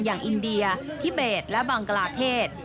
อย่างอินเดียทิเบตและบางกราศเทศ